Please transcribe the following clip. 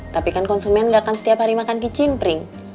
tapi kan konsumen nggak akan setiap hari makan kecimpring